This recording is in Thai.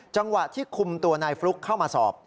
จังหวะที่คุมตัวนายฟลุ๊กเข้ามาสอบ